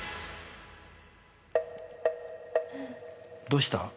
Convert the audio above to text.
どうした？